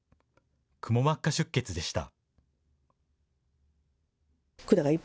くも膜下出血でした。